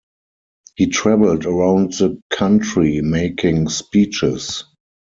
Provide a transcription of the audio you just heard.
He traveled around the country making speeches.